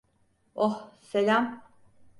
Oh, selam.